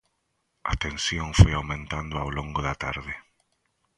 A tensión foi aumentando ao longo da tarde.